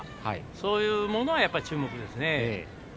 そういうものは注目ですね。